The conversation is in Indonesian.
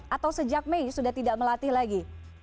atau sejak mei sudah tidak melatih lagi